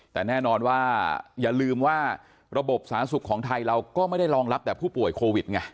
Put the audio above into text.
แต่แน่นอนว่าอย่าลืมว่าระบบสาธารณสุขของไทยเราก็ไม่ได้รองรับแต่ผู้ป่วยโควิดไง